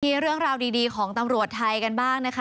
เรื่องราวดีของตำรวจไทยกันบ้างนะคะ